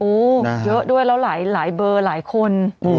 โอ้โหเยอะด้วยแล้วหลายเบอร์หลายคน